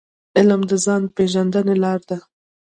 علم د ځان پېژندني لار ده.